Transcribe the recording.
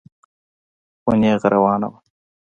خو نېغه روانه وه.